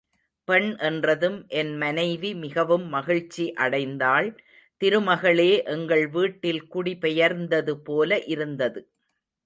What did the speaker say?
பெண் என்றதும் என் மனைவி மிகவும் மகிழ்ச்சி அடைந்தாள் திருமகளே எங்கள் வீட்டில் குடி பெயர்ந்ததுபோல இருந்தது.